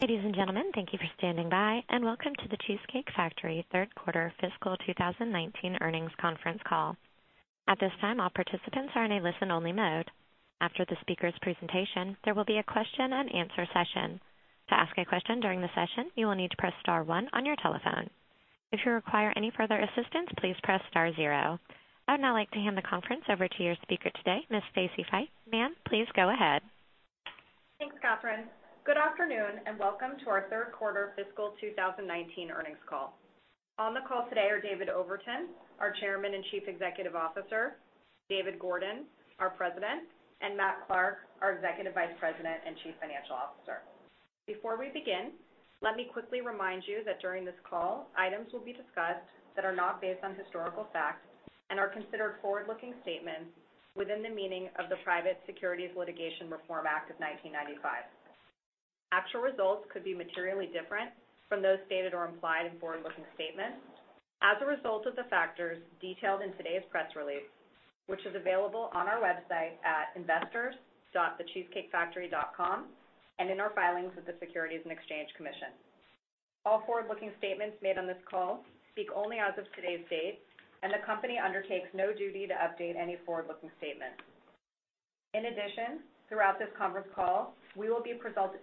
Ladies and gentlemen, thank you for standing by, and welcome to The Cheesecake Factory third quarter fiscal 2019 earnings conference call. At this time, all participants are in a listen-only mode. After the speaker's presentation, there will be a question and answer session. To ask a question during the session, you will need to press star one on your telephone. If you require any further assistance, please press star zero. I would now like to hand the conference over to your speaker today, Ms. Stacy Feit. Ma'am, please go ahead. Thanks, Catherine. Good afternoon, welcome to our third quarter fiscal 2019 earnings call. On the call today are David Overton, our Chairman and Chief Executive Officer, David Gordon, our President, and Matthew Clark, our Executive Vice President and Chief Financial Officer. Before we begin, let me quickly remind you that during this call, items will be discussed that are not based on historical facts and are considered forward-looking statements within the meaning of the Private Securities Litigation Reform Act of 1995. Actual results could be materially different from those stated or implied in forward-looking statements as a result of the factors detailed in today's press release, which is available on our website at investors.thecheesecakefactory.com and in our filings with the Securities and Exchange Commission. All forward-looking statements made on this call speak only as of today's date, and the company undertakes no duty to update any forward-looking statements. In addition, throughout this conference call, we will be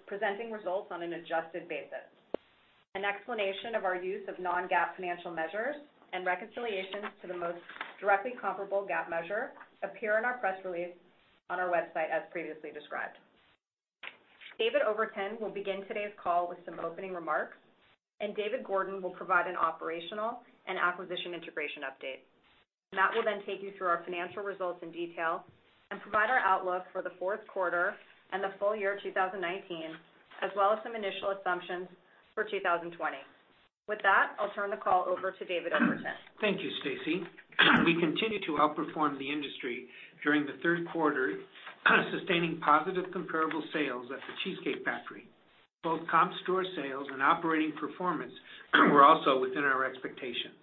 presenting results on an adjusted basis. An explanation of our use of non-GAAP financial measures and reconciliations to the most directly comparable GAAP measure appear in our press release on our website, as previously described. David Overton will begin today's call with some opening remarks, and David Gordon will provide an operational and acquisition integration update. Matt will then take you through our financial results in detail and provide our outlook for the fourth quarter and the full year 2019, as well as some initial assumptions for 2020. With that, I'll turn the call over to David Overton. Thank you, Stacy. We continue to outperform the industry during the third quarter, sustaining positive comparable sales at The Cheesecake Factory. Both comp store sales and operating performance were also within our expectations.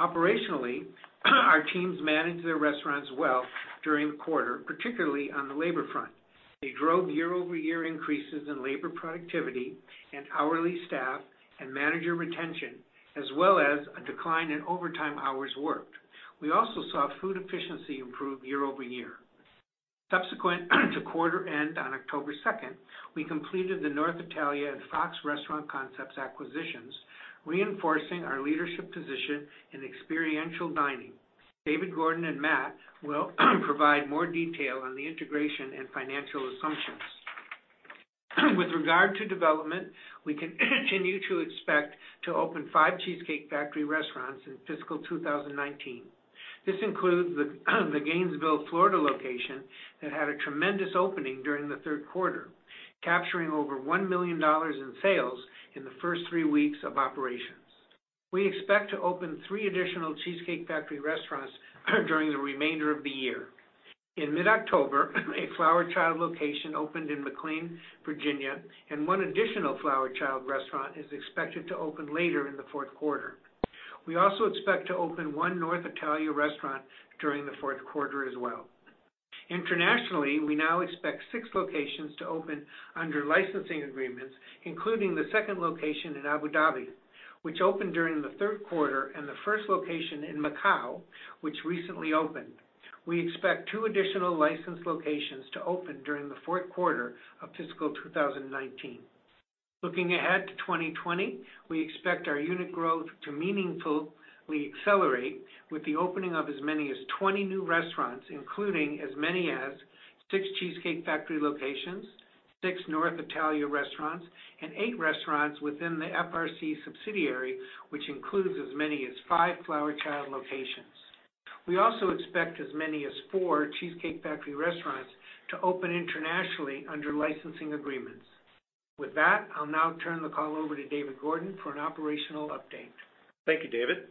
Operationally, our teams managed their restaurants well during the quarter, particularly on the labor front. They drove year-over-year increases in labor productivity and hourly staff and manager retention, as well as a decline in overtime hours worked. We also saw food efficiency improve year-over-year. Subsequent to quarter end on October 2nd, we completed the North Italia and Fox Restaurant Concepts acquisitions, reinforcing our leadership position in experiential dining. David Gordon and Matt will provide more detail on the integration and financial assumptions. With regard to development, we continue to expect to open five The Cheesecake Factory restaurants in fiscal 2019. This includes the Gainesville, Florida, location that had a tremendous opening during the third quarter, capturing over $1 million in sales in the first three weeks of operations. We expect to open three additional The Cheesecake Factory restaurants during the remainder of the year. In mid-October, a Flower Child location opened in McLean, Virginia, and one additional Flower Child restaurant is expected to open later in the fourth quarter. We also expect to open one North Italia restaurant during the fourth quarter as well. Internationally, we now expect six locations to open under licensing agreements, including the second location in Abu Dhabi, which opened during the third quarter, and the first location in Macau, which recently opened. We expect two additional licensed locations to open during the fourth quarter of fiscal 2019. Looking ahead to 2020, we expect our unit growth to meaningfully accelerate with the opening of as many as 20 new restaurants, including as many as six The Cheesecake Factory locations, six North Italia restaurants, and eight restaurants within the FRC subsidiary, which includes as many as five Flower Child locations. We also expect as many as four The Cheesecake Factory restaurants to open internationally under licensing agreements. With that, I'll now turn the call over to David Gordon for an operational update. Thank you, David.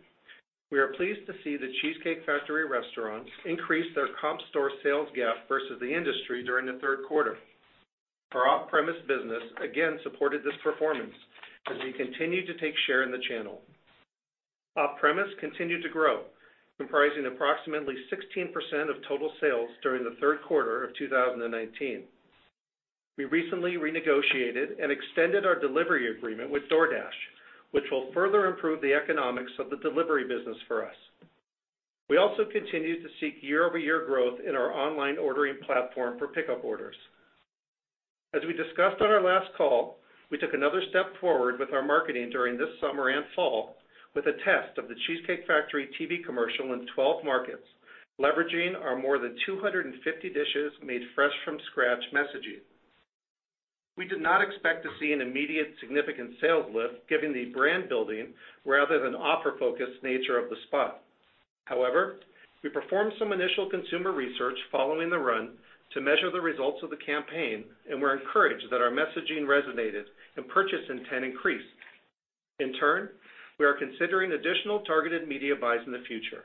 We are pleased to see The Cheesecake Factory restaurants increase their comp store sales GAAP versus the industry during the third quarter. Our off-premise business again supported this performance as we continue to take share in the channel. Off-premise continued to grow, comprising approximately 16% of total sales during the third quarter of 2019. We recently renegotiated and extended our delivery agreement with DoorDash, which will further improve the economics of the delivery business for us. We also continue to seek year-over-year growth in our online ordering platform for pickup orders. As we discussed on our last call, we took another step forward with our marketing during this summer and fall with a test of The Cheesecake Factory TV commercial in 12 markets, leveraging our more than 250 dishes made fresh from scratch messaging. We did not expect to see an immediate significant sales lift, given the brand-building rather than offer-focused nature of the spot. However, we performed some initial consumer research following the run to measure the results of the campaign, and we're encouraged that our messaging resonated and purchase intent increased. In turn, we are considering additional targeted media buys in the future.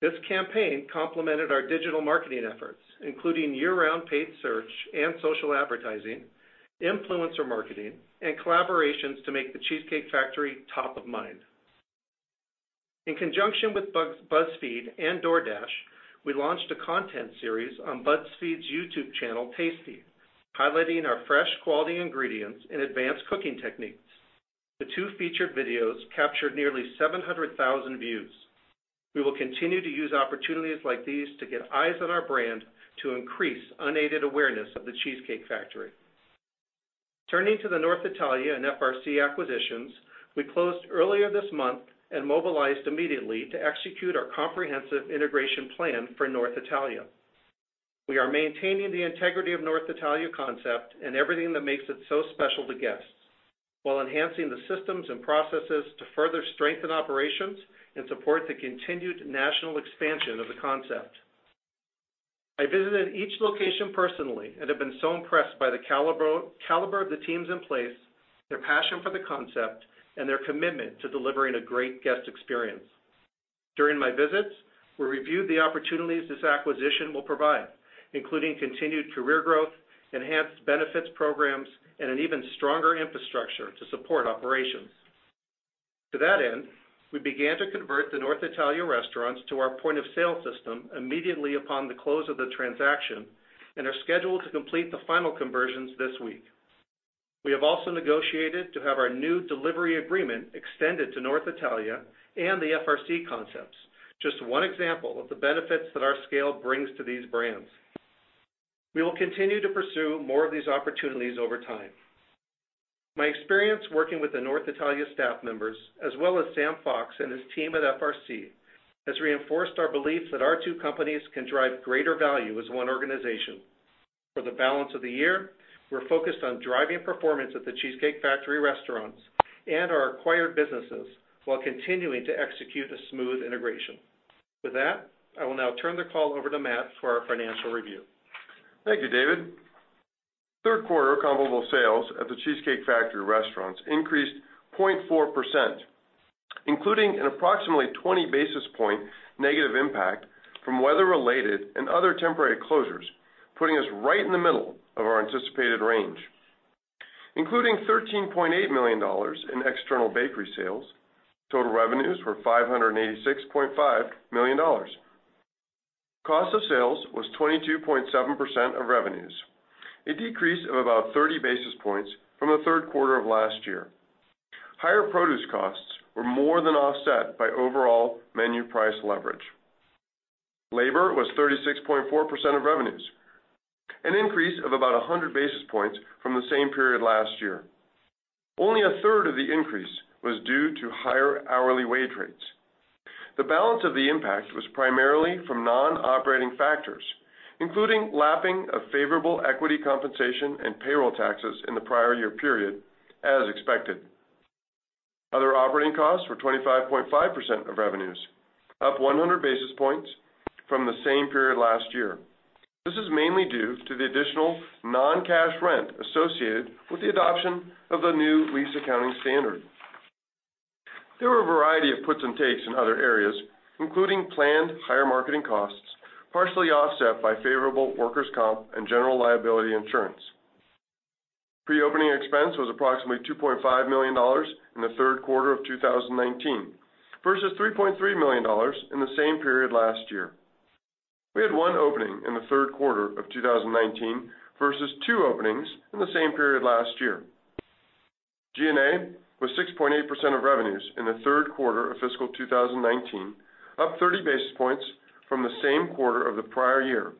This campaign complemented our digital marketing efforts, including year-round paid search and social advertising, influencer marketing, and collaborations to make The Cheesecake Factory top of mind. In conjunction with BuzzFeed and DoorDash, we launched a content series on BuzzFeed's YouTube channel, Tasty, highlighting our fresh, quality ingredients and advanced cooking techniques. The two featured videos captured nearly 700,000 views. We will continue to use opportunities like these to get eyes on our brand to increase unaided awareness of The Cheesecake Factory. Turning to the North Italia and FRC acquisitions, we closed earlier this month and mobilized immediately to execute our comprehensive integration plan for North Italia. We are maintaining the integrity of North Italia concept and everything that makes it so special to guests, while enhancing the systems and processes to further strengthen operations and support the continued national expansion of the concept. I visited each location personally and have been so impressed by the caliber of the teams in place, their passion for the concept, and their commitment to delivering a great guest experience. During my visits, we reviewed the opportunities this acquisition will provide, including continued career growth, enhanced benefits programs, and an even stronger infrastructure to support operations. To that end, we began to convert the North Italia restaurants to our point of sale system immediately upon the close of the transaction, and are scheduled to complete the final conversions this week. We have also negotiated to have our new delivery agreement extended to North Italia and the FRC concepts, just one example of the benefits that our scale brings to these brands. We will continue to pursue more of these opportunities over time. My experience working with the North Italia staff members, as well as Sam Fox and his team at FRC, has reinforced our belief that our two companies can drive greater value as one organization. For the balance of the year, we're focused on driving performance at The Cheesecake Factory restaurants and our acquired businesses while continuing to execute a smooth integration. With that, I will now turn the call over to Matt for our financial review. Thank you, David. Third quarter comparable sales at The Cheesecake Factory restaurants increased 0.4%, including an approximately 20 basis point negative impact from weather-related and other temporary closures, putting us right in the middle of our anticipated range. Including $13.8 million in external bakery sales, total revenues were $586.5 million. Cost of sales was 22.7% of revenues, a decrease of about 30 basis points from the third quarter of last year. Higher produce costs were more than offset by overall menu price leverage. Labor was 36.4% of revenues, an increase of about 100 basis points from the same period last year. Only a third of the increase was due to higher hourly wage rates. The balance of the impact was primarily from non-operating factors, including lapping of favorable equity compensation and payroll taxes in the prior year period, as expected. Other operating costs were 25.5% of revenues, up 100 basis points from the same period last year. This is mainly due to the additional non-cash rent associated with the adoption of the new lease accounting standard. There were a variety of puts and takes in other areas, including planned higher marketing costs, partially offset by favorable workers' comp and general liability insurance. Pre-opening expense was approximately $2.5 million in the third quarter of 2019, versus $3.3 million in the same period last year. We had one opening in the third quarter of 2019 versus two openings in the same period last year. G&A was 6.8% of revenues in the third quarter of fiscal 2019, up 30 basis points from the same quarter of the prior year,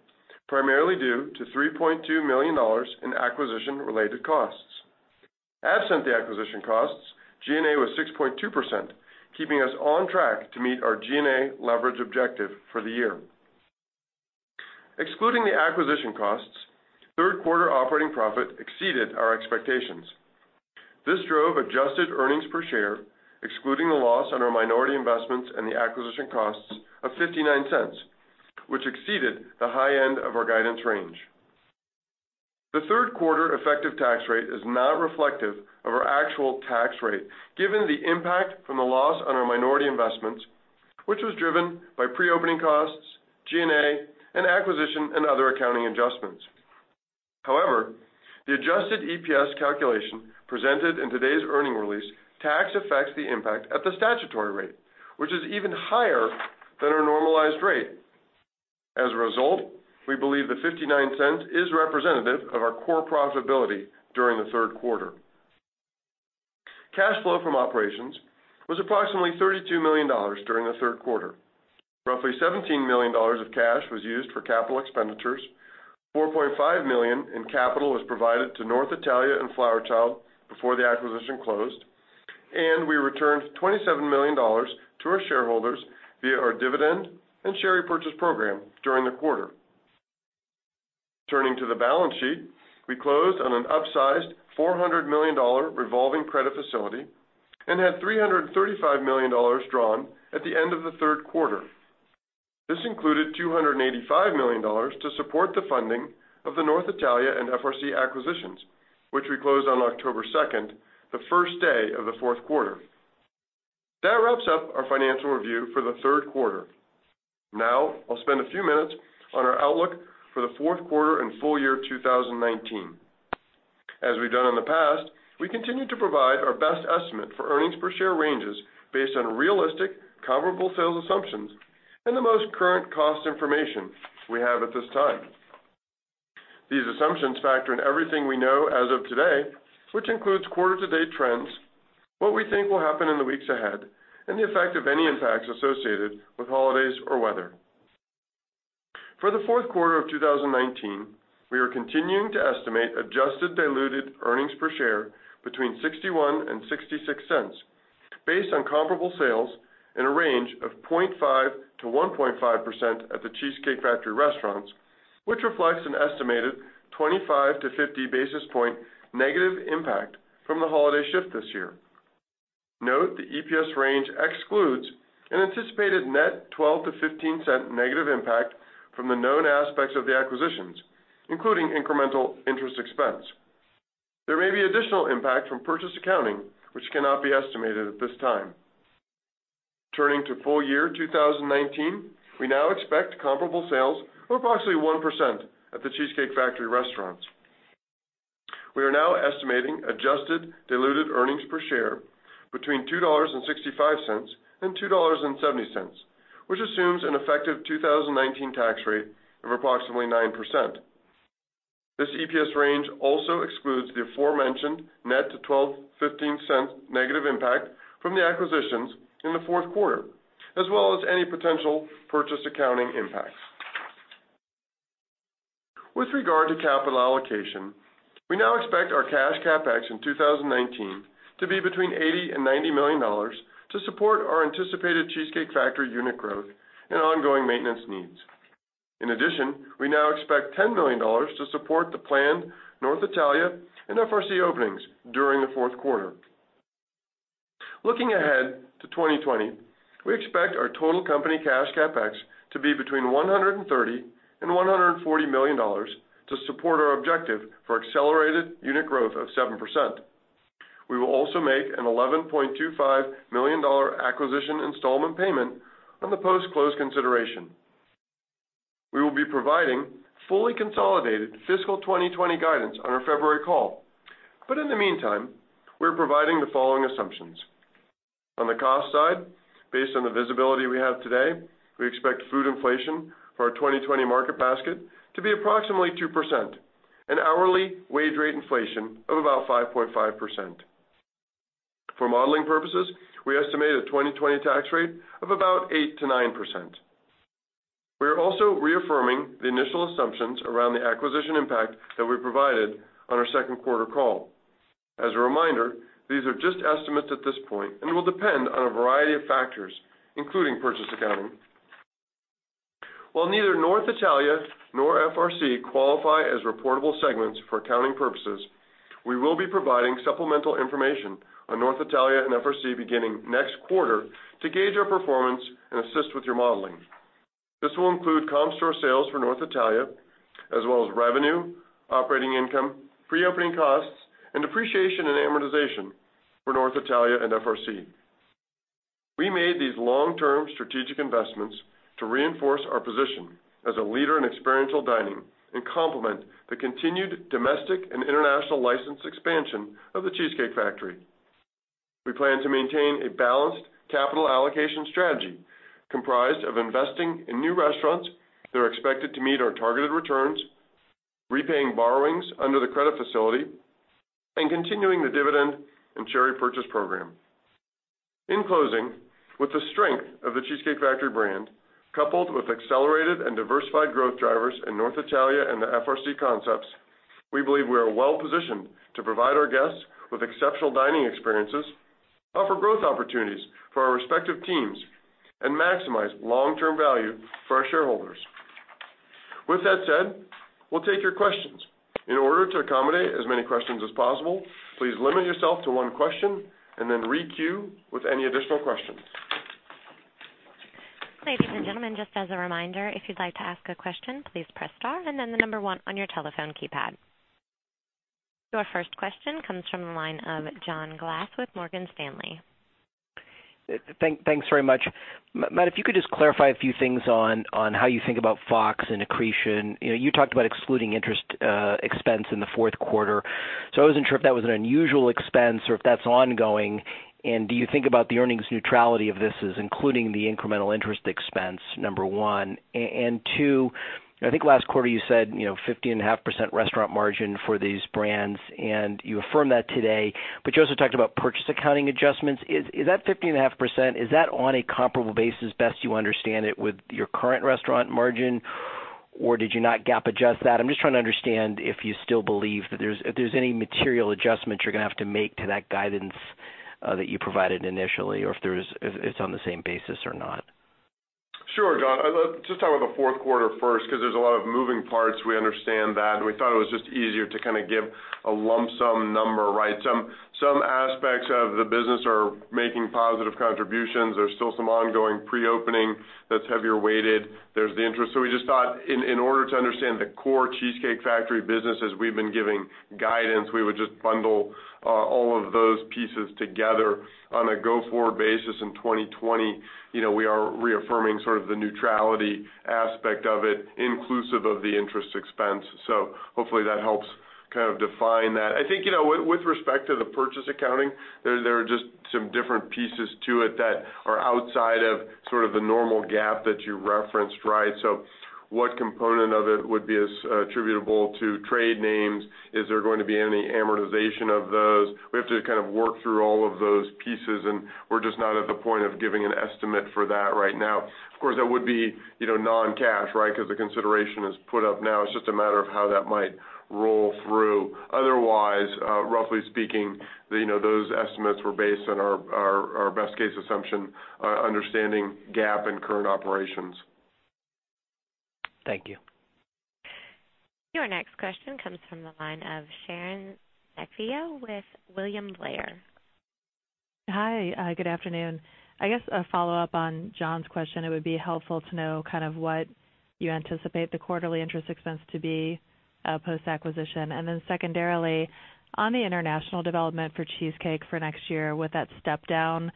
primarily due to $3.2 million in acquisition-related costs. Absent the acquisition costs, G&A was 6.2%, keeping us on track to meet our G&A leverage objective for the year. Excluding the acquisition costs, third quarter operating profit exceeded our expectations. This drove adjusted earnings per share, excluding the loss on our minority investments and the acquisition costs of $0.59, which exceeded the high end of our guidance range. The third quarter effective tax rate is not reflective of our actual tax rate, given the impact from the loss on our minority investments, which was driven by pre-opening costs, G&A, and acquisition and other accounting adjustments. The adjusted EPS calculation presented in today's earnings release tax affects the impact at the statutory rate, which is even higher than our normalized rate. As a result, we believe the $0.59 is representative of our core profitability during the third quarter. Cash flow from operations was approximately $32 million during the third quarter. Roughly $17 million of cash was used for capital expenditures, $4.5 million in capital was provided to North Italia and Flower Child before the acquisition closed, and we returned $27 million to our shareholders via our dividend and share repurchase program during the quarter. Turning to the balance sheet, we closed on an upsized $400 million revolving credit facility and had $335 million drawn at the end of the third quarter. This included $285 million to support the funding of the North Italia and FRC acquisitions, which we closed on October 2nd, the first day of the fourth quarter. That wraps up our financial review for the third quarter. I'll spend a few minutes on our outlook for the fourth quarter and full year 2019. As we've done in the past, we continue to provide our best estimate for earnings per share ranges based on realistic comparable sales assumptions and the most current cost information we have at this time. These assumptions factor in everything we know as of today, which includes quarter to date trends, what we think will happen in the weeks ahead, and the effect of any impacts associated with holidays or weather. For the fourth quarter of 2019, we are continuing to estimate adjusted diluted earnings per share between $0.61 and $0.66 based on comparable sales in a range of 0.5%-1.5% at The Cheesecake Factory restaurants, which reflects an estimated 25-50 basis point negative impact from the holiday shift this year. Note, the EPS range excludes an anticipated net $0.12 to $0.15 negative impact from the known aspects of the acquisitions, including incremental interest expense. There may be additional impact from purchase accounting, which cannot be estimated at this time. Turning to full year 2019, we now expect comparable sales of approximately 1% at The Cheesecake Factory restaurants. We are now estimating adjusted diluted earnings per share between $2.65 and $2.70, which assumes an effective 2019 tax rate of approximately 9%. This EPS range also excludes the aforementioned net to $0.12, $0.15 negative impact from the acquisitions in the fourth quarter, as well as any potential purchase accounting impacts. With regard to capital allocation, we now expect our cash CapEx in 2019 to be between $80 million and $90 million to support our anticipated Cheesecake Factory unit growth and ongoing maintenance needs. In addition, we now expect $10 million to support the planned North Italia and FRC openings during the fourth quarter. Looking ahead to 2020, we expect our total company cash CapEx to be between $130 and $140 million to support our objective for accelerated unit growth of 7%. We will also make an $11.25 million acquisition installment payment on the post-close consideration. We will be providing fully consolidated fiscal 2020 guidance on our February call, in the meantime, we're providing the following assumptions. On the cost side, based on the visibility we have today, we expect food inflation for our 2020 market basket to be approximately 2%, and hourly wage rate inflation of about 5.5%. For modeling purposes, we estimate a 2020 tax rate of about 8%-9%. We are also reaffirming the initial assumptions around the acquisition impact that we provided on our second quarter call. As a reminder, these are just estimates at this point and will depend on a variety of factors, including purchase accounting. While neither North Italia nor FRC qualify as reportable segments for accounting purposes, we will be providing supplemental information on North Italia and FRC beginning next quarter to gauge our performance and assist with your modeling. This will include comp store sales for North Italia, as well as revenue, operating income, pre-opening costs, and depreciation and amortization for North Italia and FRC. We made these long-term strategic investments to reinforce our position as a leader in experiential dining and complement the continued domestic and international license expansion of The Cheesecake Factory. We plan to maintain a balanced capital allocation strategy comprised of investing in new restaurants that are expected to meet our targeted returns, repaying borrowings under the credit facility, and continuing the dividend and share repurchase program. In closing, with the strength of The Cheesecake Factory brand, coupled with accelerated and diversified growth drivers in North Italia and the FRC concepts, we believe we are well-positioned to provide our guests with exceptional dining experiences, offer growth opportunities for our respective teams, and maximize long-term value for our shareholders. With that said, we will take your questions. In order to accommodate as many questions as possible, please limit yourself to one question, and then re-queue with any additional questions. Ladies and gentlemen, just as a reminder, if you'd like to ask a question, please press star and then the number one on your telephone keypad. Your first question comes from the line of John Glass with Morgan Stanley. Thanks very much. Matt, if you could just clarify a few things on how you think about Fox and accretion. You talked about excluding interest expense in the fourth quarter, I wasn't sure if that was an unusual expense or if that's ongoing. Do you think about the earnings neutrality of this as including the incremental interest expense, number one. Two, I think last quarter you said 15.5% restaurant margin for these brands, you affirmed that today, you also talked about purchase accounting adjustments. Is that 15.5% on a comparable basis, best you understand it, with your current restaurant margin, did you not GAAP adjust that? I'm just trying to understand if you still believe that there's any material adjustment you're going to have to make to that guidance that you provided initially, if it's on the same basis or not. Sure, John. Just talking about the fourth quarter first, because there's a lot of moving parts. We understand that, and we thought it was just easier to give a lump sum number right. Some aspects of the business are making positive contributions. There's still some ongoing pre-opening that's heavier weighted. There's the interest. We just thought in order to understand the core The Cheesecake Factory business as we've been giving guidance, we would just bundle all of those pieces together. On a go-forward basis in 2020, we are reaffirming the neutrality aspect of it, inclusive of the interest expense. Hopefully that helps. Kind of define that. I think, with respect to the purchase accounting, there are just some different pieces to it that are outside of sort of the normal GAAP that you referenced, right? What component of it would be attributable to trade names? Is there going to be any amortization of those? We have to kind of work through all of those pieces, and we're just not at the point of giving an estimate for that right now. Of course, that would be non-cash, right? Because the consideration is put up now, it's just a matter of how that might roll through. Otherwise, roughly speaking, those estimates were based on our best case assumption, understanding GAAP and current operations. Thank you. Your next question comes from the line of Sharon Zackfia with William Blair. Hi. Good afternoon. I guess a follow-up on John's question, it would be helpful to know kind of what you anticipate the quarterly interest expense to be post-acquisition. Secondarily, on the international development for Cheesecake for next year with that step down,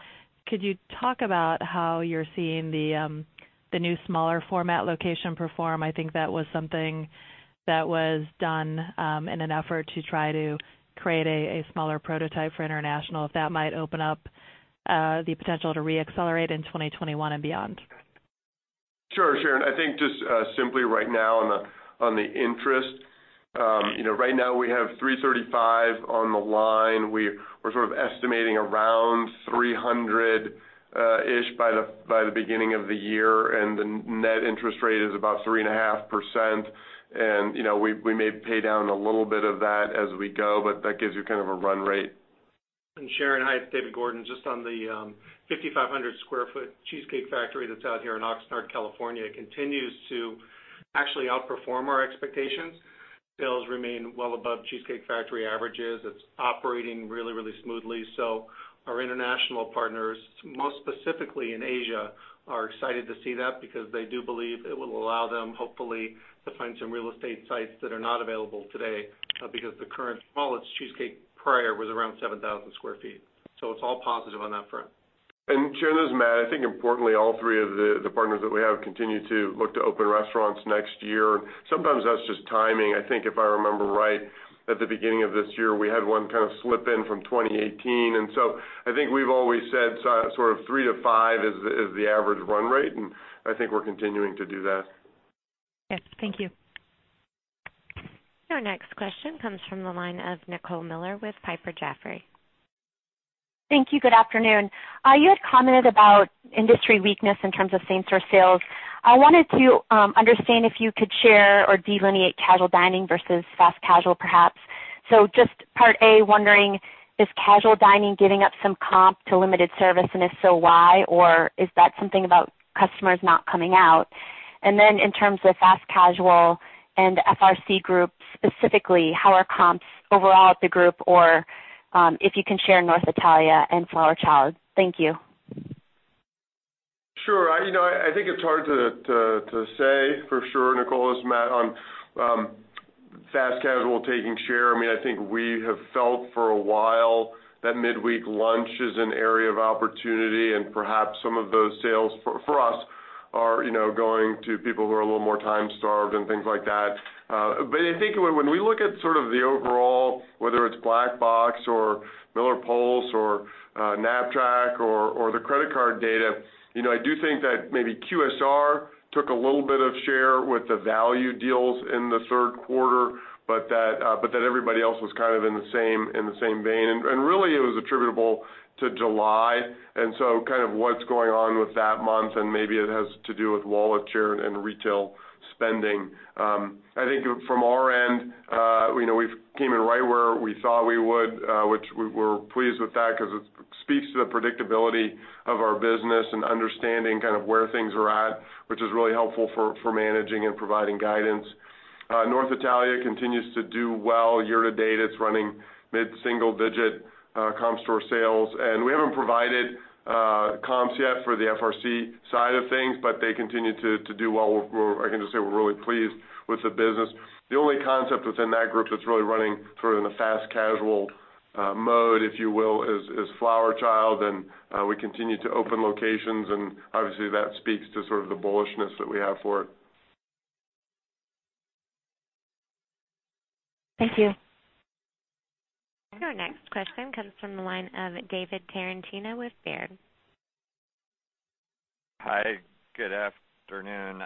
could you talk about how you're seeing the new smaller format location perform? I think that was something that was done in an effort to try to create a smaller prototype for international, if that might open up the potential to re-accelerate in 2021 and beyond. Sure, Sharon. I think just simply right now on the interest, right now we have 335 on the line. We're sort of estimating around 300-ish by the beginning of the year, and the net interest rate is about 3.5%. We may pay down a little bit of that as we go, but that gives you kind of a run rate. Sharon, hi, it's David Gordon. Just on the 5,500 sq ft Cheesecake Factory that's out here in Oxnard, California, continues to actually outperform our expectations. Sales remain well above Cheesecake Factory averages. It's operating really smoothly. Our international partners, most specifically in Asia, are excited to see that because they do believe it will allow them, hopefully, to find some real estate sites that are not available today because the current smallest Cheesecake prior was around 7,000 sq ft. It's all positive on that front. Sharon, this is Matt. I think importantly, all three of the partners that we have continue to look to open restaurants next year. Sometimes that's just timing. I think if I remember right, at the beginning of this year, we had one kind of slip in from 2018, and so I think we've always said sort of 3-5 is the average run rate, and I think we're continuing to do that. Okay. Thank you. Your next question comes from the line of Nicole Miller with Piper Jaffray. Thank you. Good afternoon. You had commented about industry weakness in terms of same-store sales. I wanted to understand if you could share or delineate casual dining versus fast casual, perhaps. Just part A, wondering, is casual dining giving up some comp to limited service, and if so, why? Is that something about customers not coming out? In terms of fast casual and FRC group, specifically, how are comps overall at the group or if you can share North Italia and Flower Child. Thank you. Sure. I think it's hard to say for sure, Nicole. This is Matt. On fast casual taking share, I think we have felt for a while that midweek lunch is an area of opportunity, and perhaps some of those sales for us are going to people who are a little more time-starved and things like that. I think when we look at sort of the overall, whether it's Black Box or MillerPulse or Knapp-Track or the credit card data, I do think that maybe QSR took a little bit of share with the value deals in the third quarter, but that everybody else was kind of in the same vein. Really it was attributable to July, and so kind of what's going on with that month, and maybe it has to do with wallet share and retail spending. I think from our end, we've came in right where we thought we would, which we're pleased with that because it speaks to the predictability of our business and understanding kind of where things are at, which is really helpful for managing and providing guidance. North Italia continues to do well. Year to date, it's running mid-single digit comp store sales. We haven't provided comps yet for the FRC side of things, but they continue to do well. I can just say we're really pleased with the business. The only concept within that group that's really running sort of in the fast casual mode, if you will, is Flower Child, and we continue to open locations, and obviously that speaks to sort of the bullishness that we have for it. Thank you. Our next question comes from the line of David Tarantino with Baird. Hi. Good afternoon.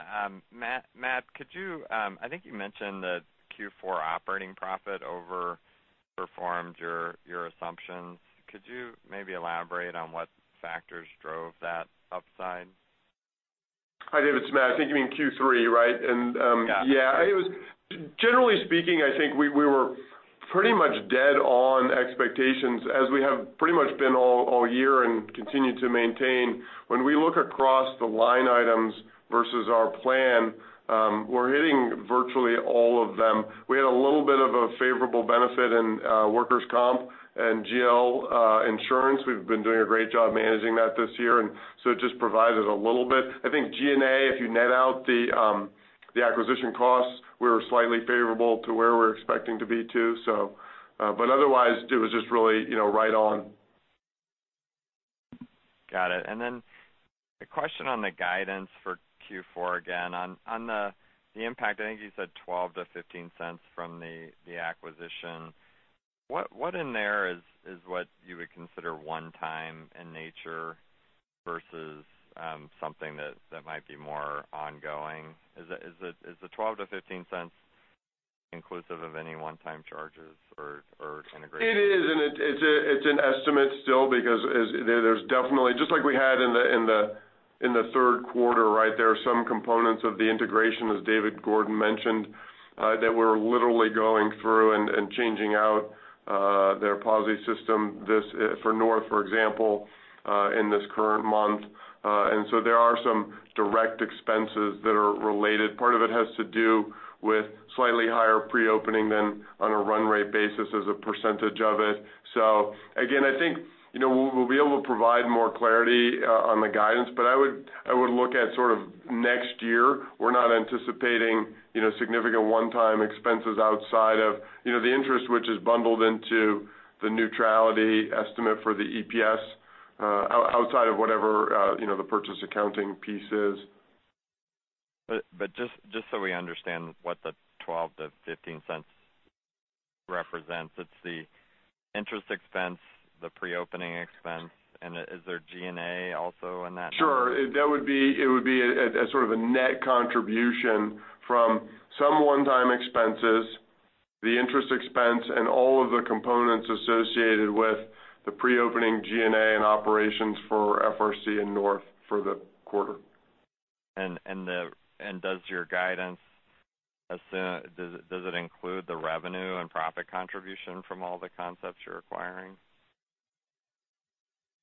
Matt, I think you mentioned that Q4 operating profit overperformed your assumptions. Could you maybe elaborate on what factors drove that upside? Hi, David. It's Matt. I think you mean Q3, right? Yeah. Generally speaking, I think we were pretty much dead on expectations as we have pretty much been all year and continue to maintain. We look across the line items versus our plan, we're hitting virtually all of them. We had a little bit of a favorable benefit in workers' comp and GL insurance. We've been doing a great job managing that this year, it just provided a little bit. I think G&A, if you net out the acquisition costs, we were slightly favorable to where we're expecting to be, too. Otherwise, it was just really right on. Got it. A question on the guidance for Q4 again. On the impact, I think you said $0.12 to $0.15 from the acquisition. What in there is what you would consider one time in nature versus something that might be more ongoing? Is the $0.12 to $0.15 inclusive of any one-time charges or integration? It is, it's an estimate still because there's definitely, just like we had in the third quarter, there are some components of the integration, as David Gordon mentioned, that we're literally going through and changing out, their POS system, for North, for example, in this current month. There are some direct expenses that are related. Part of it has to do with slightly higher pre-opening than on a run rate basis as a percentage of it. Again, I think, we'll be able to provide more clarity on the guidance, but I would look at next year. We're not anticipating significant one-time expenses outside of the interest which is bundled into the neutrality estimate for the EPS, outside of whatever the purchase accounting piece is. Just so we understand what the $0.12-$0.15 represents, it's the interest expense, the pre-opening expense, and is there G&A also in that number? Sure. It would be a sort of a net contribution from some one-time expenses, the interest expense, and all of the components associated with the pre-opening G&A and operations for FRC and North for the quarter. Does your guidance include the revenue and profit contribution from all the concepts you're acquiring?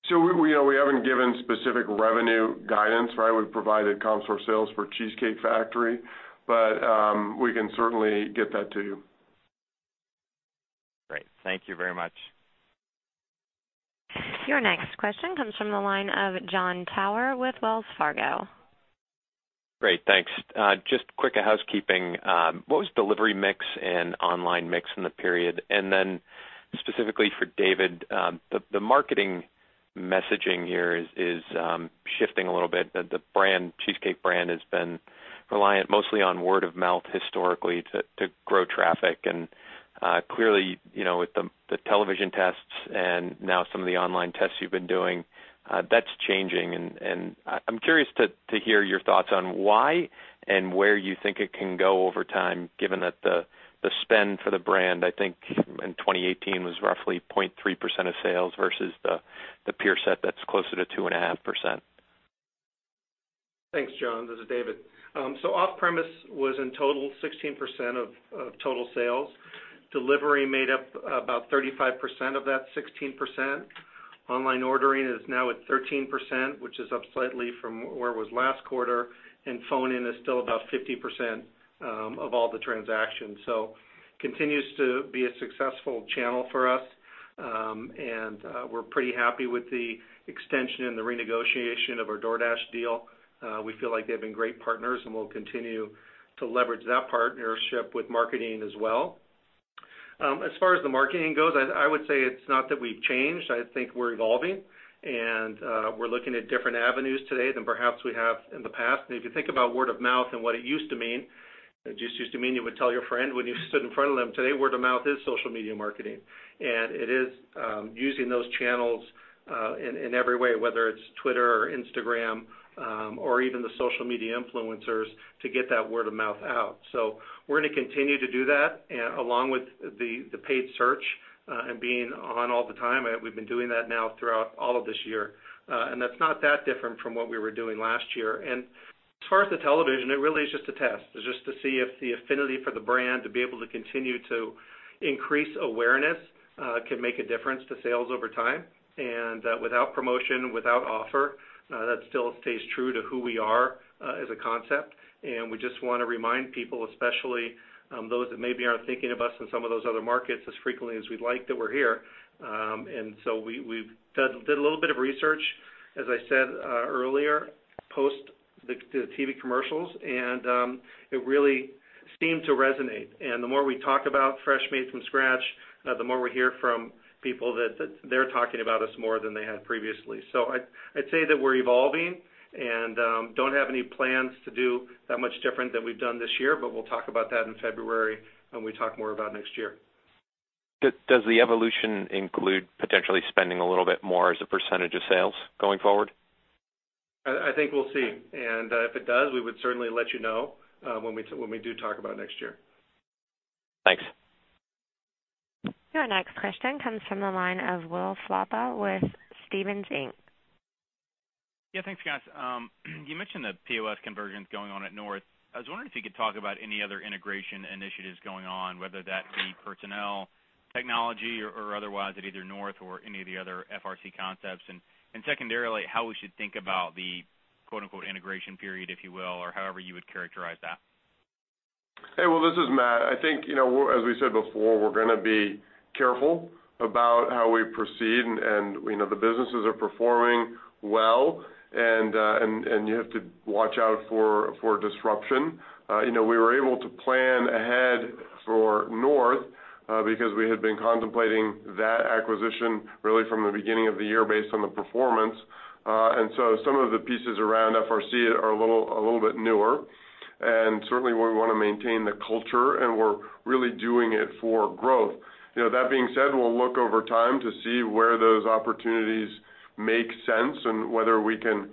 We haven't given specific revenue guidance. We've provided comp store sales for Cheesecake Factory, but we can certainly get that to you. Great. Thank you very much. Your next question comes from the line of Jon Tower with Wells Fargo. Great. Thanks. Just quick a housekeeping. What was delivery mix and online mix in the period? Specifically for David, the marketing messaging here is shifting a little bit. The Cheesecake brand has been reliant mostly on word of mouth historically to grow traffic and, clearly, with the television tests and now some of the online tests you've been doing, that's changing. I'm curious to hear your thoughts on why and where you think it can go over time, given that the spend for the brand, I think in 2018, was roughly 0.3% of sales versus the peer set that's closer to 2.5%. Thanks, John. This is David. Off-premise was in total, 16% of total sales. Delivery made up about 35% of that 16%. Online ordering is now at 13%, which is up slightly from where it was last quarter, and phone-in is still about 50% of all the transactions. Continues to be a successful channel for us. We're pretty happy with the extension and the renegotiation of our DoorDash deal. We feel like they've been great partners, and we'll continue to leverage that partnership with marketing as well. As far as the marketing goes, I would say it's not that we've changed. I think we're evolving and we're looking at different avenues today than perhaps we have in the past. If you think about word of mouth and what it used to mean, it just used to mean you would tell your friend when you stood in front of them. Today, word of mouth is social media marketing, and it is using those channels, in every way, whether it's Twitter or Instagram, or even the social media influencers to get that word of mouth out. We're going to continue to do that along with the paid search, and being on all the time. We've been doing that now throughout all of this year. That's not that different from what we were doing last year. As far as the television, it really is just a test. It's just to see if the affinity for the brand to be able to continue to increase awareness can make a difference to sales over time. Without promotion, without offer, that still stays true to who we are as a concept. We just want to remind people, especially those that maybe aren't thinking of us in some of those other markets as frequently as we'd like, that we're here. We've done a little bit of research, as I said earlier, post the TV commercials, and it really seemed to resonate. The more we talk about fresh made from scratch, the more we hear from people that they're talking about us more than they had previously. I'd say that we're evolving and don't have any plans to do that much different than we've done this year, but we'll talk about that in February when we talk more about next year. Does the evolution include potentially spending a little bit more as a percentage of sales going forward? I think we'll see, and if it does, we would certainly let you know when we do talk about next year. Thanks. Your next question comes from the line of Will Slabaugh with Stephens Inc. Yeah, thanks, guys. You mentioned the POS conversions going on at North. I was wondering if you could talk about any other integration initiatives going on, whether that be personnel, technology, or otherwise at either North or any of the other FRC concepts? Secondarily, how we should think about the "integration period," if you will, or however you would characterize that? Hey, Will, this is Matt. I think, as we said before, we're going to be careful about how we proceed. The businesses are performing well and you have to watch out for disruption. We were able to plan ahead for North Italia because we had been contemplating that acquisition really from the beginning of the year based on the performance. Some of the pieces around FRC are a little bit newer. Certainly we want to maintain the culture and we're really doing it for growth. That being said, we'll look over time to see where those opportunities make sense and whether we can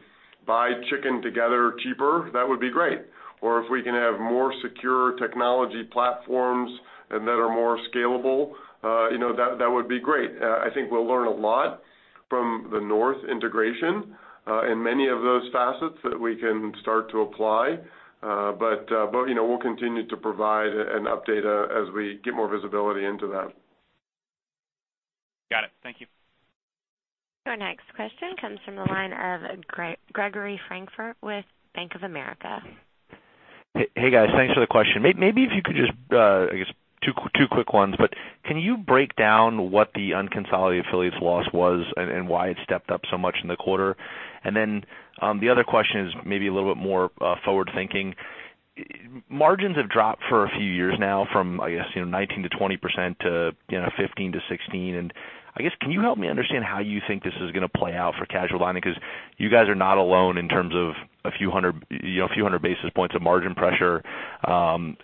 buy chicken together cheaper, that would be great. If we can have more secure technology platforms and that are more scalable, that would be great. I think we'll learn a lot from the North integration, many of those facets that we can start to apply. We'll continue to provide an update as we get more visibility into that. Got it. Thank you. Our next question comes from the line of Gregory Francfort with Bank of America. Hey, guys. Thanks for the question. Maybe if you could just, I guess two quick ones, but can you break down what the unconsolidated affiliates loss was and why it stepped up so much in the quarter? The other question is maybe a little bit more forward-thinking. Margins have dropped for a few years now from, I guess, 19%-20% to 15%-16%. I guess, can you help me understand how you think this is going to play out for casual dining? You guys are not alone in terms of a few hundred basis points of margin pressure. I'm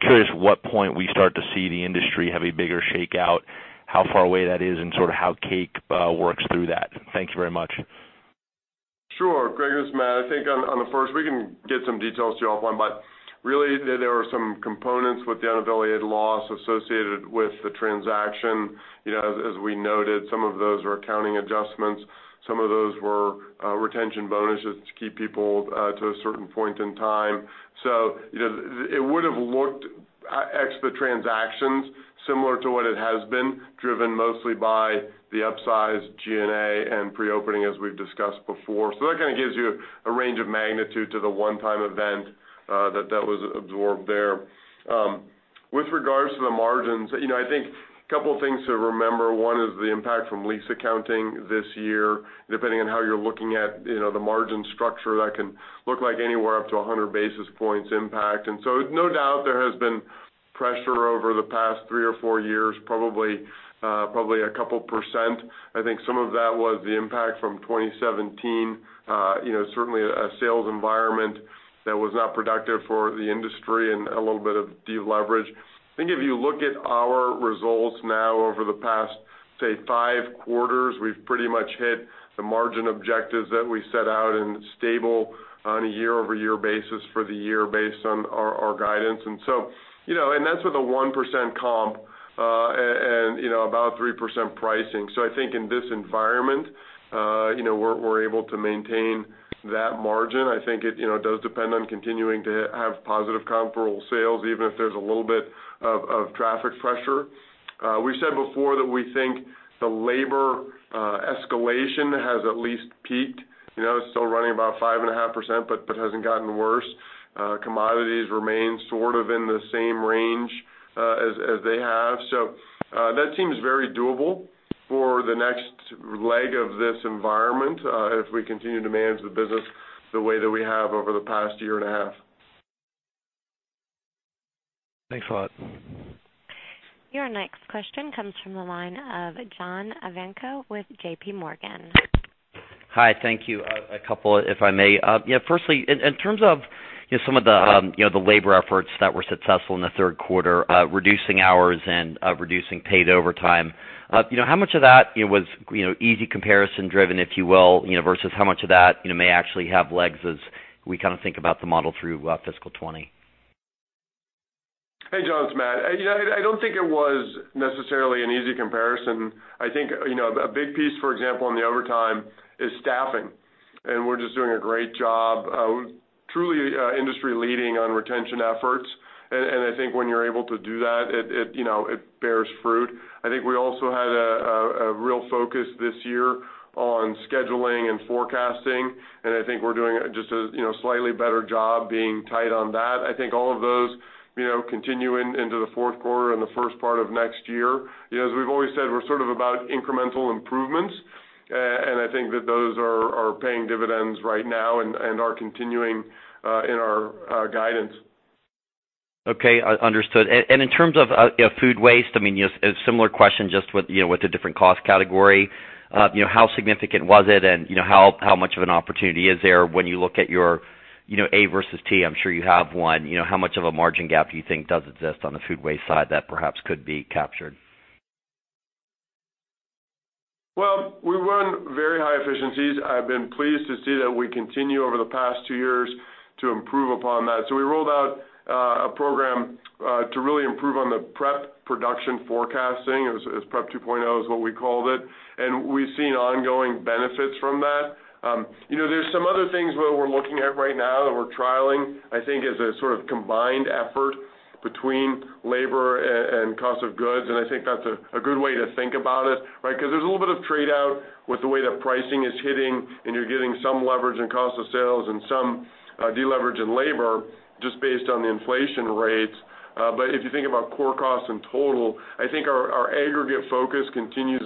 curious at what point we start to see the industry have a bigger shakeout, how far away that is, and sort of how Cake works through that. Thank you very much. Sure. Greg, this is Matt. I think on the first, we can get some details to you offline, really there were some components with the unaffiliated loss associated with the transaction. As we noted, some of those were accounting adjustments, some of those were retention bonuses to keep people to a certain point in time. It would have looked, ex the transactions, similar to what it has been, driven mostly by the upsize G&A and pre-opening as we've discussed before. That kind of gives you a range of magnitude to the one-time event that was absorbed there. With regards to the margins, I think a couple things to remember. One is the impact from lease accounting this year, depending on how you're looking at the margin structure, that can look like anywhere up to 100 basis points impact. No doubt there has been pressure over the past three or four years, probably a couple %. I think some of that was the impact from 2017. Certainly a sales environment that was not productive for the industry and a little bit of deleverage. I think if you look at our results now over the past, say, five quarters, we've pretty much hit the margin objectives that we set out and stable on a year-over-year basis for the year based on our guidance. That's with a 1% comp, and about 3% pricing. I think in this environment, we're able to maintain that margin. I think it does depend on continuing to have positive comparable sales, even if there's a little bit of traffic pressure. We said before that we think the labor escalation has at least peaked. It's still running about 5.5%, but hasn't gotten worse. Commodities remain sort of in the same range as they have. That seems very doable for the next leg of this environment, if we continue to manage the business the way that we have over the past year and a half. Thanks a lot. Your next question comes from the line of John Ivankoe with J.P. Morgan. Hi, thank you. A couple if I may. Firstly, in terms of some of the labor efforts that were successful in the third quarter, reducing hours and reducing paid overtime, how much of that was easy comparison driven, if you will, versus how much of that may actually have legs as we kind of think about the model through fiscal 2020? Hey, John, it's Matt. I don't think it was necessarily an easy comparison. I think, a big piece, for example, on the overtime is staffing, and we're just doing a great job, truly industry leading on retention efforts. I think when you're able to do that, it bears fruit. I think we also had a real focus this year on scheduling and forecasting, and I think we're doing just a slightly better job being tight on that. I think all of those continue into the fourth quarter and the first part of next year. As we've always said, we're sort of about incremental improvements, and I think that those are paying dividends right now and are continuing in our guidance. Okay, understood. In terms of food waste, a similar question just with a different cost category. How significant was it, and how much of an opportunity is there when you look at your A versus T? I'm sure you have one. How much of a margin gap do you think does exist on the food waste side that perhaps could be captured? Well, we run very high efficiencies. I've been pleased to see that we continue over the past two years to improve upon that. We rolled out a program to really improve on the Prep production forecasting. It was Prep 2.0 is what we called it, and we've seen ongoing benefits from that. There's some other things that we're looking at right now that we're trialing, I think as a sort of combined effort between labor and cost of goods, and I think that's a good way to think about it, right? There's a little bit of trade-out with the way that pricing is hitting, and you're getting some leverage in cost of sales and some deleverage in labor just based on the inflation rates. If you think about core costs in total, I think our aggregate focus continues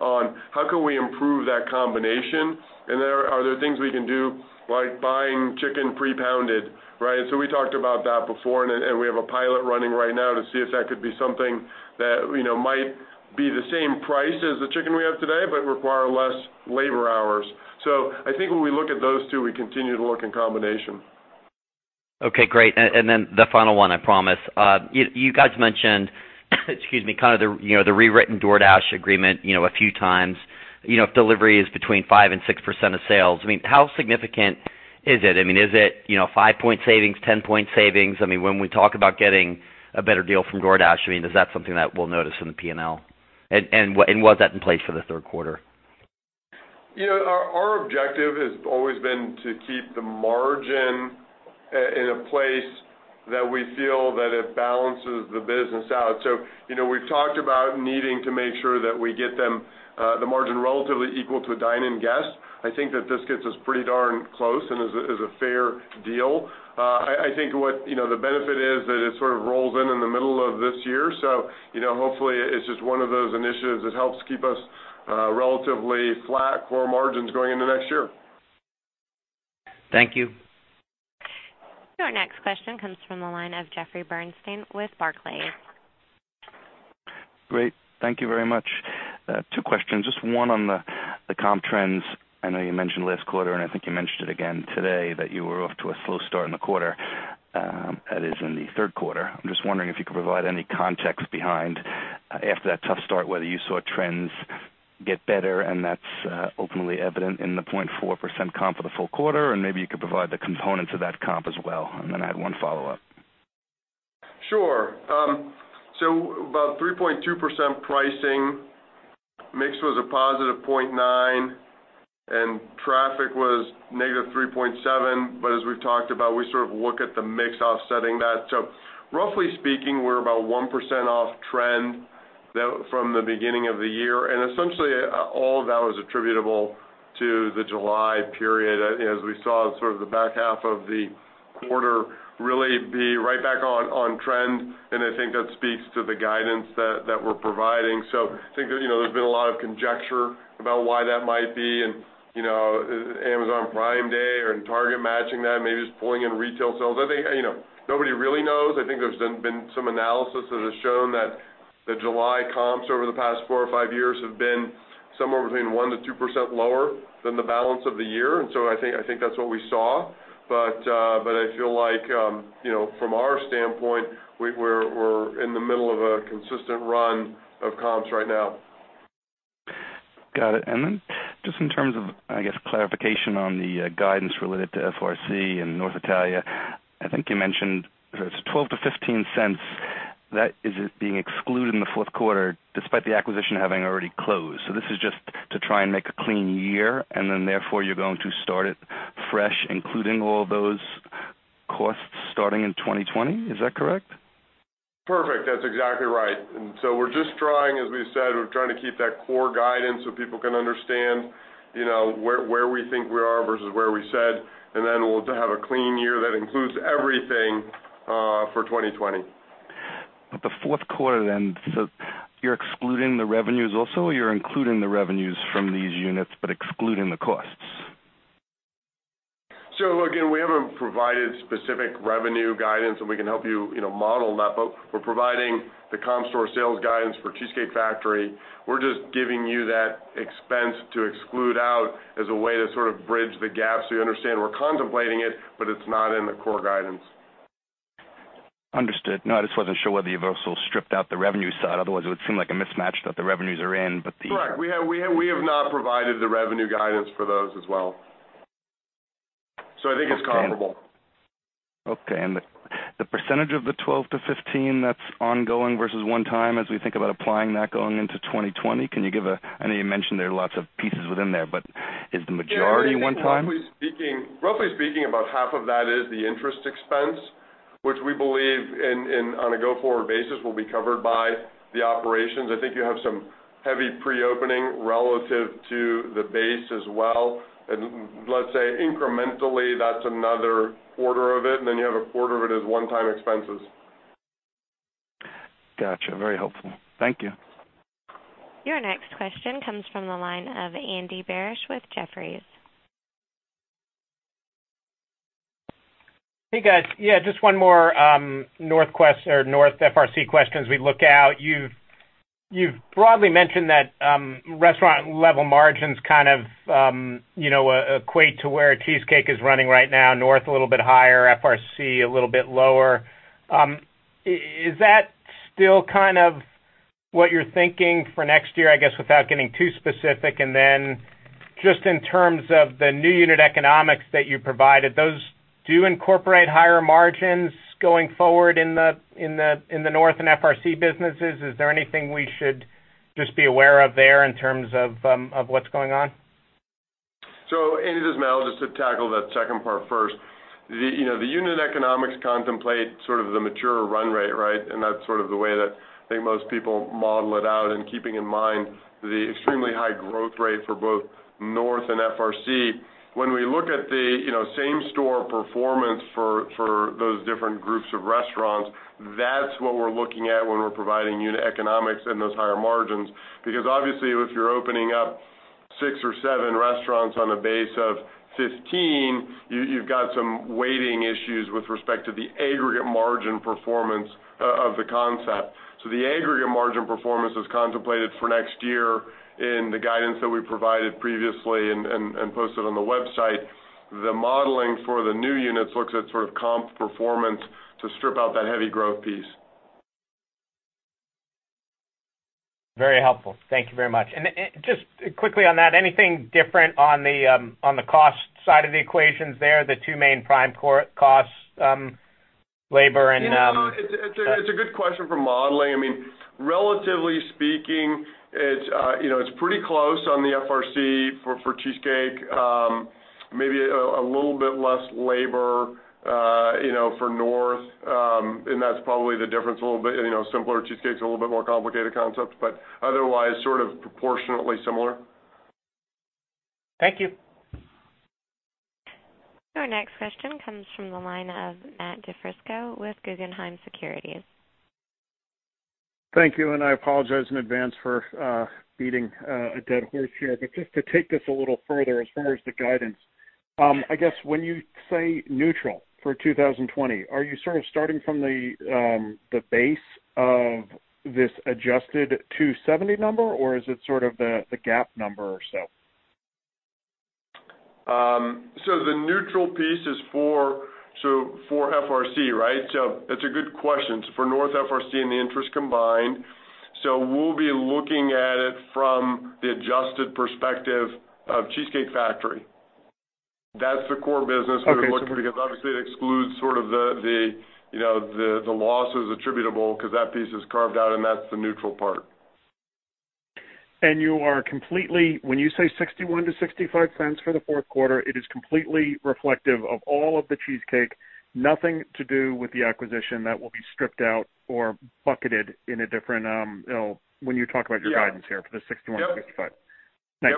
on how can we improve that combination? Are there things we can do like buying chicken pre-pounded, right? We talked about that before, and we have a pilot running right now to see if that could be something that might be the same price as the chicken we have today, but require less labor hours. I think when we look at those two, we continue to look in combination. Okay, great. The final one, I promise. You guys mentioned kind of the rewritten DoorDash agreement a few times. If delivery is between 5% and 6% of sales, how significant is it? Is it 5 point savings, 10 point savings? When we talk about getting a better deal from DoorDash, is that something that we'll notice in the P&L? Was that in place for the third quarter? Our objective has always been to keep the margin in a place that we feel that it balances the business out. We've talked about needing to make sure that we get the margin relatively equal to a dine-in guest. I think that this gets us pretty darn close and is a fair deal. I think what the benefit is that it sort of rolls in in the middle of this year, hopefully it's just one of those initiatives that helps keep us relatively flat core margins going into next year. Thank you. Our next question comes from the line of Jeffrey Bernstein with Barclays. Great. Thank you very much. Two questions. Just one on the comp trends. I know you mentioned last quarter, and I think you mentioned it again today that you were off to a slow start in the quarter, that is in the third quarter. I'm just wondering if you could provide any context behind, after that tough start, whether you saw trends get better, and that's openly evident in the 0.4% comp for the full quarter, and maybe you could provide the components of that comp as well. Then I had one follow-up. Sure. About 3.2% pricing, mix was a positive 0.9, and traffic was -3.7. As we've talked about, we sort of look at the mix offsetting that. Roughly speaking, we're about 1% off trend from the beginning of the year. Essentially, all of that was attributable to the July period as we saw sort of the back half of the quarter really be right back on trend. I think that speaks to the guidance that we're providing. I think there's been a lot of conjecture about why that might be and Amazon Prime Day and Target matching that, maybe just pulling in retail sales. Nobody really knows. I think there's been some analysis that has shown that the July comps over the past four or five years have been somewhere between 1%-2% lower than the balance of the year. I think that's what we saw. I feel like, from our standpoint, we're in the middle of a consistent run of comps right now. Got it. Just in terms of, I guess, clarification on the guidance related to FRC and North Italia. I think you mentioned it's $0.12-$0.15. That is being excluded in the fourth quarter despite the acquisition having already closed. This is just to try and make a clean year, and then therefore you're going to start it fresh, including all those costs starting in 2020. Is that correct? Perfect. That's exactly right. We're just trying, as we said, we're trying to keep that core guidance so people can understand where we think we are versus where we said, and then we'll have a clean year that includes everything for 2020. The fourth quarter then, so you're excluding the revenues also? You're including the revenues from these units, but excluding the costs. Again, we haven't provided specific revenue guidance, and we can help you model that. We're providing the comp store sales guidance for Cheesecake Factory. We're just giving you that expense to exclude out as a way to sort of bridge the gap so you understand we're contemplating it, but it's not in the core guidance. Understood. No, I just wasn't sure whether you've also stripped out the revenue side. Otherwise, it would seem like a mismatch that the revenues are in, but the. Right. We have not provided the revenue guidance for those as well. I think it's comparable. Okay. The percentage of the $12-$15 that's ongoing versus one time as we think about applying that going into 2020, can you give a-- I know you mentioned there are lots of pieces within there, but is the majority one time? Yeah. Roughly speaking, about half of that is the interest expense, which we believe on a go-forward basis will be covered by the operations. I think you have some heavy pre-opening relative to the base as well. Let's say incrementally, that's another quarter of it, and then you have a quarter of it as one-time expenses. Got you. Very helpful. Thank you. Your next question comes from the line of Andy Barish with Jefferies. Hey, guys. Yeah, just one more North FRC question as we look out. You've broadly mentioned that restaurant level margins kind of equate to where Cheesecake is running right now. North a little bit higher, FRC a little bit lower. Is that still kind of what you're thinking for next year, I guess, without getting too specific? Then just in terms of the new unit economics that you provided, those do incorporate higher margins going forward in the North and FRC businesses? Is there anything we should just be aware of there in terms of what's going on? Andy, this is Matt, just to tackle that second part first. The unit economics contemplate the mature run rate, right? That's the way that I think most people model it out, and keeping in mind the extremely high growth rate for both North and FRC. When we look at the same-store performance for those different groups of restaurants, that's what we're looking at when we're providing unit economics and those higher margins. Obviously if you're opening up six or seven restaurants on a base of 15, you've got some weighting issues with respect to the aggregate margin performance of the concept. The aggregate margin performance is contemplated for next year in the guidance that we provided previously and posted on the website. The modeling for the new units looks at comp performance to strip out that heavy growth piece. Very helpful. Thank you very much. Just quickly on that, anything different on the cost side of the equations there, the two main prime costs, labor. No, it's a good question for modeling. Relatively speaking, it's pretty close on the FRC for Cheesecake, maybe a little bit less labor for North. That's probably the difference a little bit, simpler. Cheesecake's a little bit more complicated concept, but otherwise proportionately similar. Thank you. Our next question comes from the line of Matthew DiFrisco with Guggenheim Securities. Thank you. I apologize in advance for beating a dead horse here. Just to take this a little further, as far as the guidance, I guess when you say neutral for 2020, are you starting from the base of this adjusted $2.70 number, or is it the GAAP number or so? The neutral piece is for FRC, right? That's a good question. For North Italia, FRC, and the interest combined. We'll be looking at it from the adjusted perspective of The Cheesecake Factory. That's the core business we would look at because obviously it excludes the losses attributable because that piece is carved out, and that's the neutral part. When you say $0.61 to $0.65 for the fourth quarter, it is completely reflective of all of The Cheesecake, nothing to do with the acquisition that will be stripped out or bucketed in a different, when you talk about your guidance here for the $0.61 to $0.65. Yep.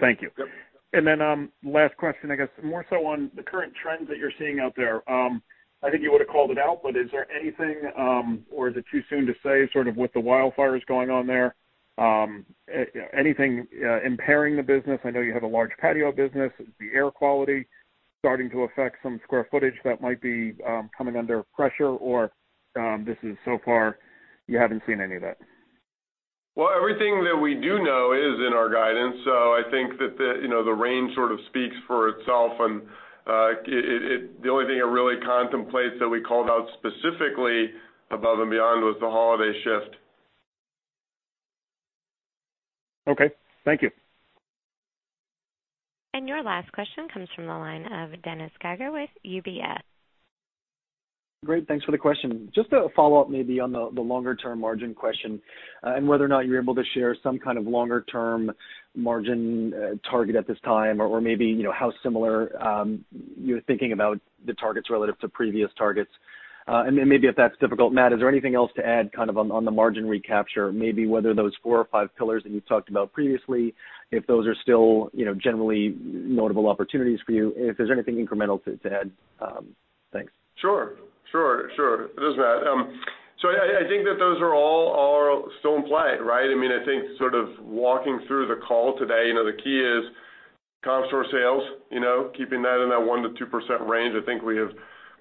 Thank you. Yep. Last question, I guess more so on the current trends that you're seeing out there. I think you would've called it out, but is there anything, or is it too soon to say with the wildfires going on there, anything impairing the business? I know you have a large patio business. Is the air quality starting to affect some square footage that might be coming under pressure, or this is so far you haven't seen any of that? Everything that we do know is in our guidance. I think that the range speaks for itself and the only thing it really contemplates that we called out specifically above and beyond was the holiday shift. Okay, thank you. Your last question comes from the line of Dennis Geiger with UBS. Great. Thanks for the question. Just a follow-up maybe on the longer-term margin question, and whether or not you're able to share some kind of longer-term margin target at this time, or maybe how similar you're thinking about the targets relative to previous targets. Maybe if that's difficult, Matt, is there anything else to add on the margin recapture, maybe whether those four or five pillars that you talked about previously, if those are still generally notable opportunities for you, if there's anything incremental to add. Thanks. Sure. This is Matt. I think that those are all still in play, right? I think walking through the call today, the key is comp store sales, keeping that in that 1%-2% range. I think we have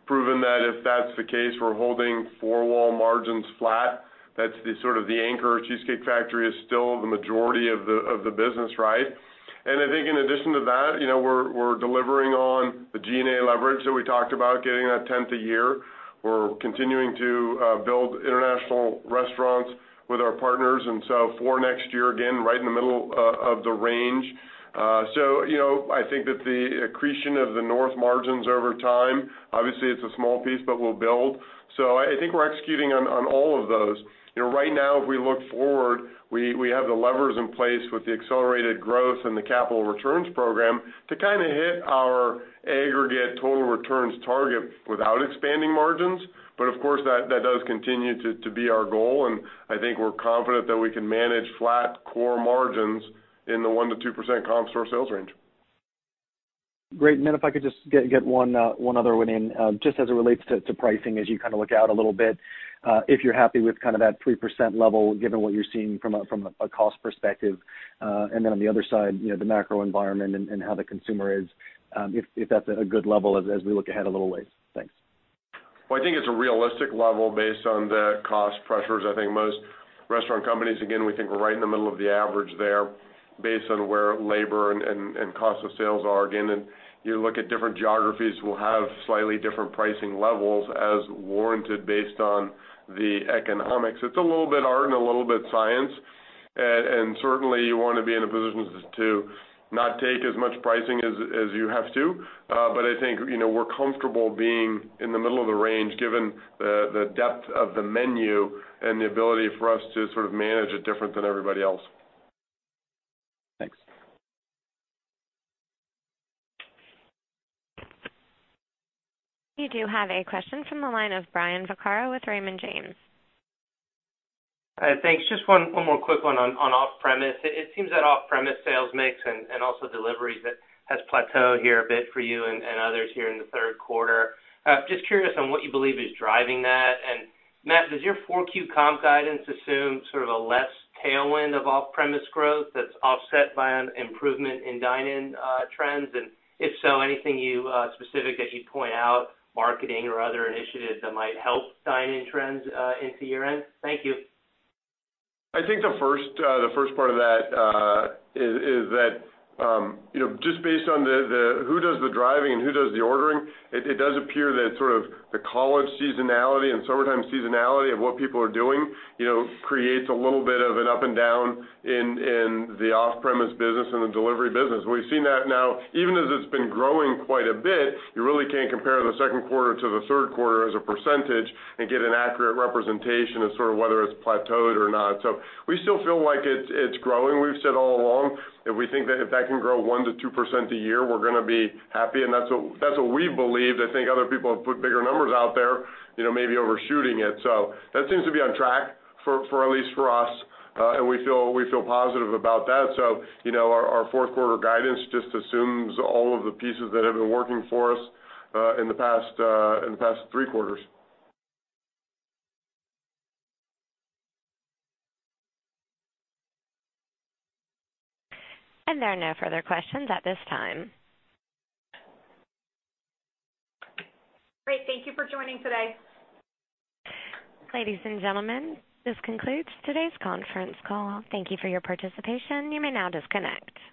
proven that if that's the case, we're holding four-wall margins flat. That's the anchor. The Cheesecake Factory is still the majority of the business, right? I think in addition to that, we're delivering on the G&A leverage that we talked about, getting that tenth a year. We're continuing to build international restaurants with our partners, for next year, again, right in the middle of the range. I think that the accretion of the North margins over time, obviously it's a small piece, but we'll build. I think we're executing on all of those. Right now if we look forward, we have the levers in place with the accelerated growth and the capital returns program to hit our aggregate total returns target without expanding margins. Of course, that does continue to be our goal, and I think we're confident that we can manage flat core margins in the 1% to 2% comp store sales range. Great. If I could just get one other one in, just as it relates to pricing as you look out a little bit, if you're happy with that 3% level given what you're seeing from a cost perspective. On the other side, the macro environment and how the consumer is, if that's a good level as we look ahead a little ways. Thanks. Well, I think it's a realistic level based on the cost pressures. I think most restaurant companies, again, we think we're right in the middle of the average there based on where labor and cost of sales are. Again, you look at different geographies will have slightly different pricing levels as warranted based on the economics. It's a little bit art and a little bit science, certainly you want to be in a position to not take as much pricing as you have to. I think we're comfortable being in the middle of the range given the depth of the menu and the ability for us to manage it different than everybody else. Thanks. You do have a question from the line of Brian Vaccaro with Raymond James. Thanks. Just one more quick one on off-premise. It seems that off-premise sales mix and also deliveries has plateaued here a bit for you and others here in the third quarter. Just curious on what you believe is driving that. Matt, does your 4Q comp guidance assume sort of a less tailwind of off-premise growth that's offset by an improvement in dine-in trends? If so, anything specific that you'd point out, marketing or other initiatives that might help dine-in trends into year-end? Thank you. I think the first part of that is that just based on who does the driving and who does the ordering, it does appear that sort of the college seasonality and summertime seasonality of what people are doing creates a little bit of an up and down in the off-premise business and the delivery business. We've seen that now, even as it's been growing quite a bit, you really can't compare the second quarter to the third quarter as a percentage and get an accurate representation of sort of whether it's plateaued or not. We still feel like it's growing. We've said all along, if we think that if that can grow 1% to 2% a year, we're going to be happy, and that's what we believe. I think other people have put bigger numbers out there, maybe overshooting it. That seems to be on track, at least for us, and we feel positive about that. Our fourth quarter guidance just assumes all of the pieces that have been working for us in the past three quarters. There are no further questions at this time. Great. Thank you for joining today. Ladies and gentlemen, this concludes today's conference call. Thank you for your participation. You may now disconnect.